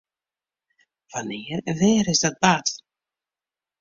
Wannear en wêr is dat bard?